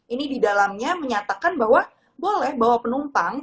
ini di dalamnya menyatakan bahwa boleh bawa penumpang